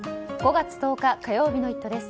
５月１０日、火曜日の「イット！」です。